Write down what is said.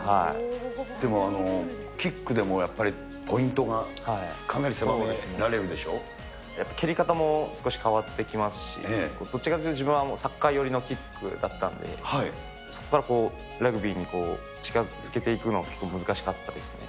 でも、キックでもやっぱり、蹴り方も少し変わってきますし、どっちかというと自分はサッカー寄りのキックだったんで、そこからラグビーに近づけていくのが結構難しかったですね。